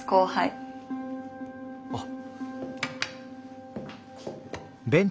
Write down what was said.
あっ。